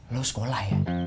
lo sekolah ya